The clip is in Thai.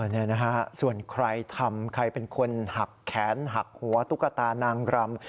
นี่นะฮะส่วนใครทำใครเป็นคนหักแขนหักหัวตุ๊กตานางรำ